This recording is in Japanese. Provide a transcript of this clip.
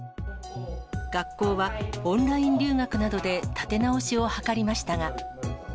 学校はオンライン留学などで立て直しを図りましたが。